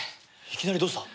いきなりどうした？